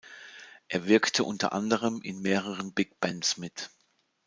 Er wirkte unter anderem in mehreren Big Bands mit.